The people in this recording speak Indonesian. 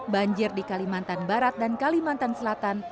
banjir di kalimantan barat dan kalimantan selatan